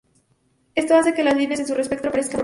Esto hace que las líneas en su espectro aparezcan borrosas.